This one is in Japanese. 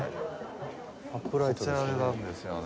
アップライトですね。